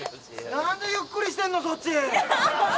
なんでゆっくりしてんの、そっち。